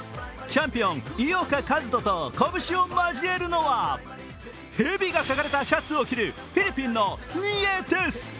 チャンピオン・井岡一翔と拳を交えるのは、蛇が描かれたシャツを着るフィリピンのニエテス。